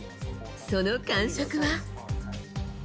その感触は。